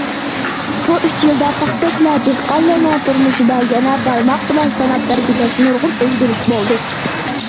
بۇ ئۈچ يىلدا پاختەكلە دېھقانلىرىنىڭ تۇرمۇشىدا يەنە بارماق بىلەن ساناپ بەرگۈدەك نۇرغۇن ئۆزگىرىش بولدى.